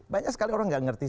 banyak sekali orang nggak ngerti